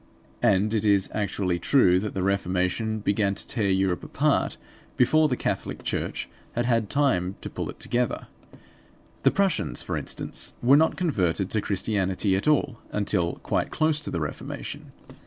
And it is actually true that the Reformation began to tear Europe apart before the Catholic Church had had time to pull it together. The Prussians, for instance, were not converted to Christianity at all until quite close to the Reformation.